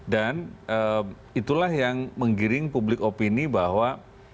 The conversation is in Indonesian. dan itulah yang menggiring publik opini bahwa